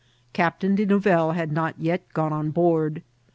Captain De Nonvelle had not yet gcme on board.